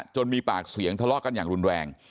มีปากเสียงทะเลาะกันอย่างรุนแรง